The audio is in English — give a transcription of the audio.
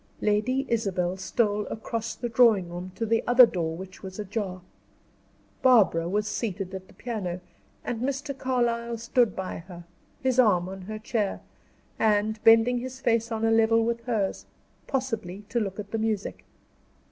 Lady Isabel stole across the drawing room to the other door, which was ajar. Barbara was seated at the piano, and Mr. Carlyle stood by her, his arm on her chair, and bending his face on a level with hers, possibly to look at the music.